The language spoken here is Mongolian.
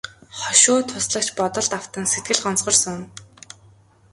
Хошуу туслагч бодолд автан сэтгэл гонсгор сууна.